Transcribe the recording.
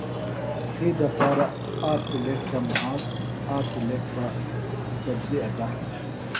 می دپارہ آک پِلیٹ تہ مھاس، آک پِلیٹ بہ سبزیۡ اٹہ۔